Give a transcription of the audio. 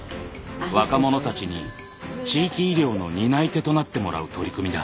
若者たちに地域医療の担い手となってもらう取り組みだ。